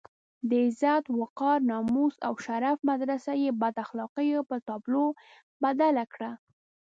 د عزت، وقار، ناموس او شرف مدرسه یې بد اخلاقيو په تابلو بدله کړه.